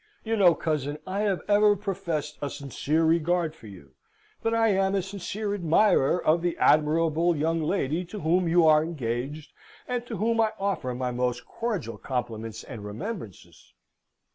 You know, cousin, I have ever professed a sincere regard for you that I am a sincere admirer of the admirable young lady to whom you are engaged, and to whom I offer my most cordial compliments and remembrances.